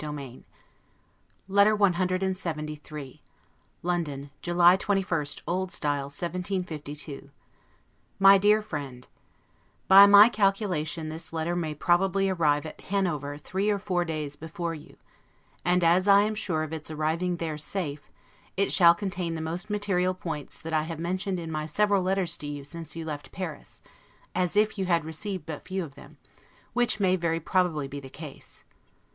Judge then what I must be, if it happens otherwise. Adieu. LETTER CLXXIII LONDON, July 21, O. S. 1752 MY DEAR FRIEND: By my calculation this letter may probably arrive at Hanover three or four days before you; and as I am sure of its arriving there safe, it shall contain the most material points that I have mentioned in my several letters to you since you left Paris, as if you had received but few of them, which may very probably be the case.